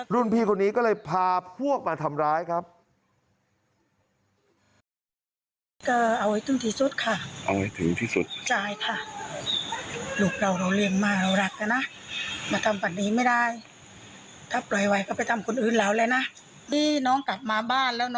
พี่คนนี้ก็เลยพาพวกมาทำร้ายครับ